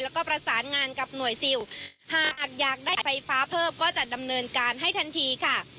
แล้วก็ประสานงานกับหน่วยซิลหากอาจอยากได้ไฟฟ้าเพิ่มก็จะดำเนินการให้ทันทีค่ะ